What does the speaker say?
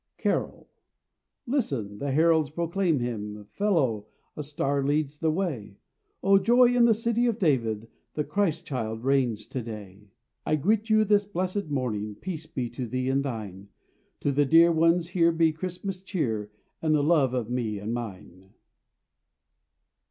Carol. _Listen! The heralds proclaim Him! Follow! A star leads the way! Oh, joy, in the City of David The Christ child reigns to day!_ I greet you this blessed morning. Peace be to thee and thine! To the dear ones here be Christmas cheer, And the love of me and mine.